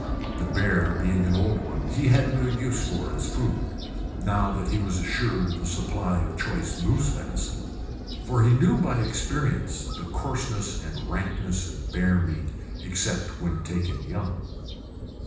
The bear being an old one, he had no use for it as food, now that he was assured of a supply of choice moose venison; for he knew by experience the coarseness and rankness of bear meat, except when taken young.